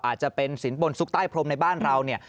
อาจจะเป็นสินบนซุกใต้พรมในบ้านเราเนี่ย